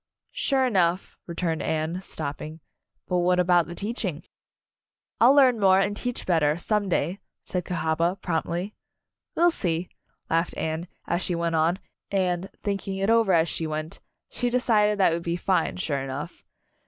"Sure enough," returned Anne, stop ping, "but what about the teaching?" "I'll learn more, and teach better, some day," said Cahaba, promptly. "We'll see," laughed Anne, as she went on, and, thinking it over as she went, she decided that it would be fine, sure enough.